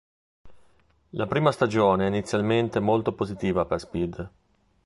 La prima stagione è inizialmente molto positiva per Speed.